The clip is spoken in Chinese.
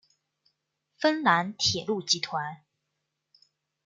芬兰铁路集团。